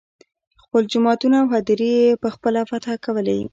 خپل جوماتونه او هدیرې یې په خپله فتحه کولې.